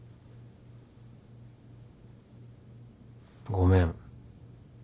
ごめん。